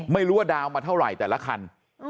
ไม่รู้ว่าดาวน์มาเท่าไหร่แต่ละคัน